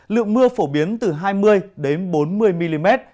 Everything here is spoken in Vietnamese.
lượng mưa phổ biến từ hai mươi bốn mươi mm